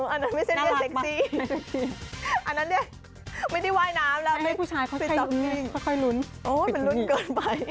อันนั้นไม่เซ็กซี่อันนั้นเนี่ยไม่ได้ว่ายน้ำแล้วปิดต่อที่นี่โอ้ยมันรุ้นเกินไป